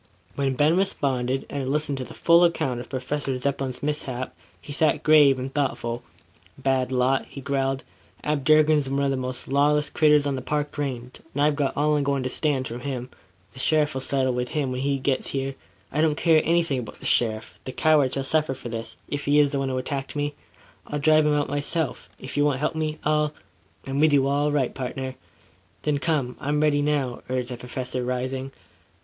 When Ben responded, and had listened to the full account of Professor Zepplin's mishap, he sat grave and thoughtful. "Bad lot," he growled. "Ab Durkin's one of the most lawless critters on the Park Range; and I've got all I'm goin' to stand from him. The sheriff will settle him when he gits here " "I don't care anything about the sheriff. The coward shall suffer for this, if he is the one who attacked me. I'll drive him out myself, if you won't help me. I'll " "I'm with you all right, pardner." "Then, come. I'm ready now," urged the Professor rising.